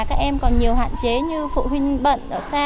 các em còn nhiều hạn chế như phụ huynh bận ở xa